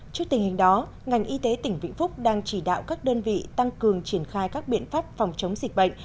trước tình hình đó ngành y tế tỉnh vĩnh phúc đang chỉ đạo các đơn vị tăng cường triển khai các biện pháp phòng chống dịch bệnh